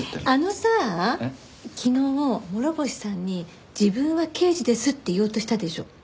あのさあ昨日諸星さんに「自分は刑事です」って言おうとしたでしょ。